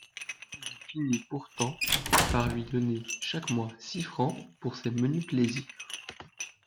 Il finit pourtant par lui donner chaque mois six francs pour ses menus plaisirs.